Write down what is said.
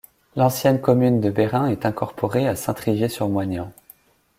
L'ancienne commune de Béreins est incorporée à Saint-Trivier-sur-Moignans.